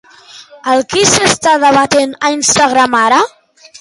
El que s'està debatent a Instagram ara.